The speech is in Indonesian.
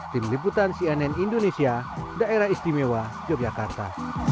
tim liputan cnn indonesia daerah istimewa yogyakarta